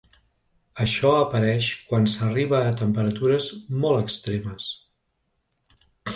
Això apareix quan s’arriba a temperatures molt extremes.